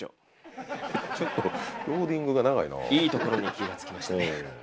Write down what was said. いいところに気が付きましたね。